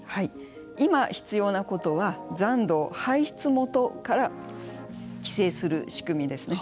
今、必要なことは残土を排出元から規制する仕組みですね。